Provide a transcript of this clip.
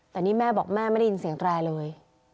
แต่นี่แม่บอกแม่ไม่ได้ยินเสียงแตรเลย